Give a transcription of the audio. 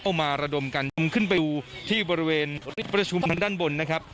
เอามาระดมกันกันตรงเข้าไปอยู่ที่บริเวณส่วนประชุมทางด้านบนนะครับ